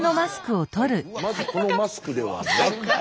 まずこのマスクではなくて。